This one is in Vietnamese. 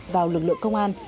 vào lực lượng công an